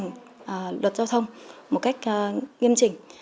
chấp hành luật giao thông một cách nghiêm trình